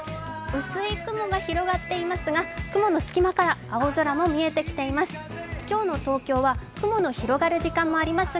薄い雲が広がっていますが雲の隙間から青空も見えてきています。